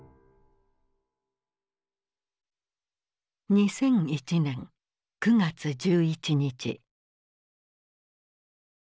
２００１年９月１１日。